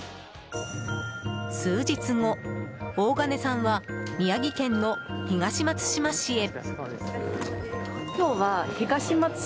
数日後、大金さんは宮城県の東松島市へ。